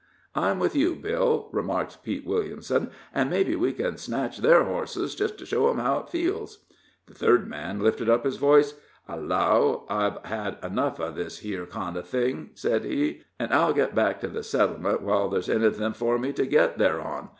"I'm with you, Bill," remarked Pete Williamson, "an' mebbe we can snatch their hosses, just to show'em how it feels." The third man lifted up his voice. "I 'llow I've had enough of this here kind of thing," said he, "an' I'll get back to the settlement while there's anything for me to get there on.